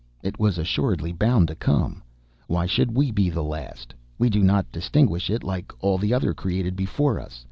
It was assuredly bound to come! Why should we be the last? We do not distinguish it, like all the others created before us.